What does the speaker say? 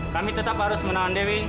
kami tetap harus menahan dewi